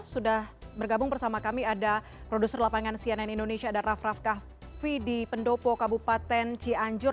sudah bergabung bersama kami ada produser lapangan cnn indonesia dan raff raff kahvi di pendopo kabupaten cianjur